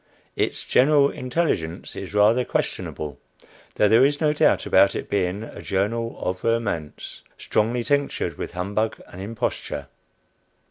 Its "general intelligence" is rather questionable, though there is no doubt about its being a "journal of romance," strongly tinctured with humbug and imposture.